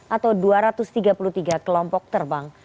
atau dua ratus tiga puluh tiga kelompok terbang